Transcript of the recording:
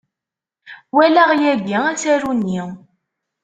Walaɣ yagi asaru-nni.